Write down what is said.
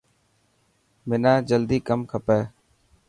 منان جلدي ڪم کپي.